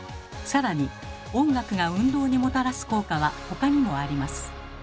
更に音楽が運動にもたらす効果は他にもあります。